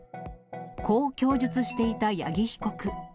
こう供述していた八木被告。